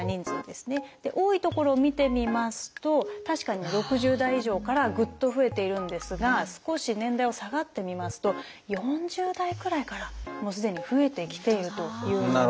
多い所を見てみますと確かに６０代以上からぐっと増えているんですが少し年代を下がってみますと４０代くらいからもうすでに増えてきているという。